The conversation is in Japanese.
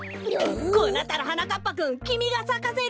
こうなったらはなかっぱくんきみがさかせるんだ！